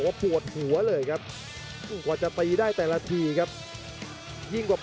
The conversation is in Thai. สักค่อยเดินเข้ามาหมดยกที่สองครับ